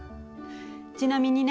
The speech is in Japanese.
ちなみにね